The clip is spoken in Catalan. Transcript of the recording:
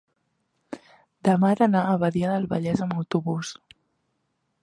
demà he d'anar a Badia del Vallès amb autobús.